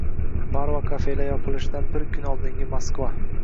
Bar va kafelar yopilishidan bir kun oldingi Moskva